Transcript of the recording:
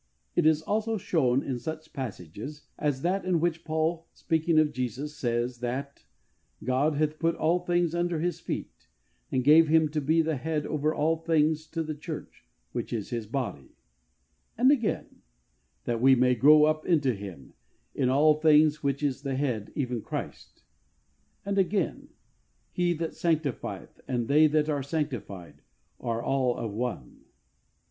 It is also shown in such passages as that in which Paul, speaking of Jesus, says that " God hath put all things under His feet and gave Him to be the Head over all things to the Churcji, which is His body," and again, "that we may grow up into Him in all things, which is the Head, even Christ," and again, "He that sanctifieth and they that are sanctified are all of one."